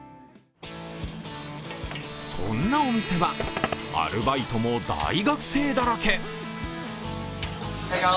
そんなお店はアルバイトも大学生だらけ。